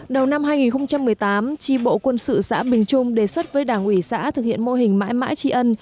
đầu năm hai nghìn một mươi tám tri bộ quân sự xã bình trung đề xuất với đảng ủy xã thực hiện mô hình mãi mãi tri ân